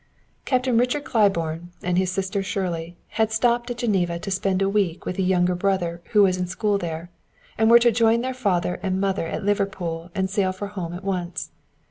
Captain Richard Claiborne and his sister Shirley had stopped at Geneva to spend a week with a younger brother, who was in school there, and were to join their father and mother at Liverpool and sail for home at once.